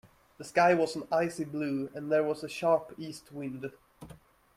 The sky was an icy blue, and there was a sharp East wind